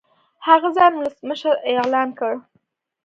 هغه ځان ولسمشر اعلان کړ.